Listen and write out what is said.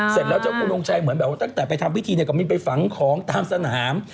เสร็จแล้วเจ้าคุณทงชัยเหมือนแบบว่าตั้งแต่ไปทำพิธีเนี่ยก็มีไปฝังของตามสนาม